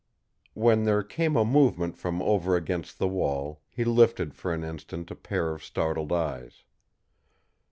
When there came a movement from over against the wall, he lifted for an instant a pair of startled eyes.